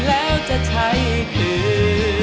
แล้วจะใช้คือ